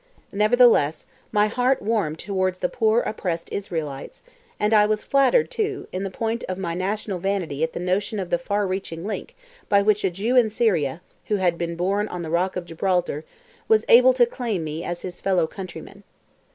Nevertheless, my heart warmed towards the poor oppressed Israelites, and I was flattered, too, in the point of my national vanity at the notion of the far reaching link by which a Jew in Syria, who had been born on the rock of Gibraltar, was able to claim me as his fellow countryman.